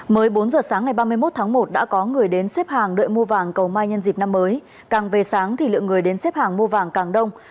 mới bốn giờ sáng ngày ba mươi một tháng một đã có người đến xếp hàng đợi mua vàng cầu mai nhân dịp năm mới càng về sáng thì lượng người đến xếp hàng mua vàng càng đông